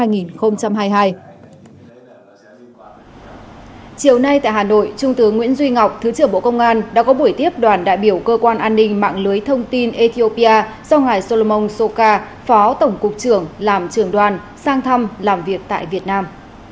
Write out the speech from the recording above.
chiều nay tại hà nội trung tướng nguyễn duy ngọc thứ trưởng bộ công an đã có buổi tiếp đoàn đại biểu cơ quan an ninh mạng lưới thông tin ethiopia do ngài solumon soca phó tổng cục trưởng làm trường đoàn sang thăm làm việc tại việt nam